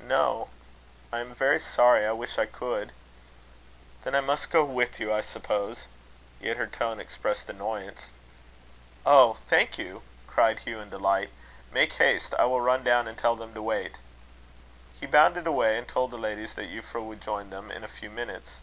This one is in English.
"No. I am very sorry. I wish I could." "Then I must go with you, I suppose." Yet her tone expressed annoyance. "Oh! thank you," cried Hugh in delight. "Make haste. I will run down, and tell them to wait." He bounded away, and told the ladies that Euphra would join them in a few minutes.